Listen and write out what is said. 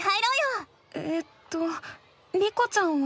えっとリコちゃんは？